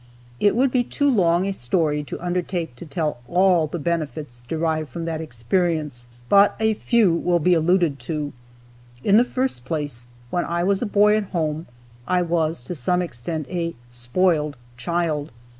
It would be too long a story to undertake to tell all the benefits derived from that experience, but a few will be alluded to. In the first place, when I was a boy at home, I was, to some extent, a "spoiled child."